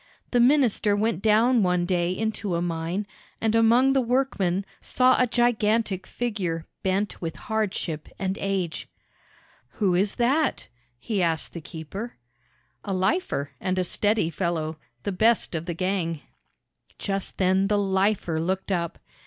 The minister went down one day into a mine, and among the workmen saw a gigantic figure bent with hardship and age. "Who is that?" he asked the keeper. "A lifer, and a steady fellow the best of the gang." Just then the "lifer" looked up.